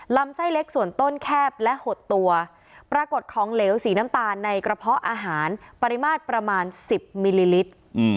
ลำไส้เล็กส่วนต้นแคบและหดตัวปรากฏของเหลวสีน้ำตาลในกระเพาะอาหารปริมาตรประมาณ๑๐มิลลิลิตร